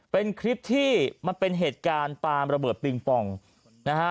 เป็นคลิปที่มันเป็นเหตุการณ์ปลาระเบิดปิงปองนะฮะ